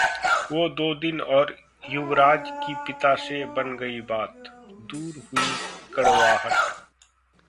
वो दो दिन और युवराज की पिता से बन गई बात, दूर हुई कड़वाहट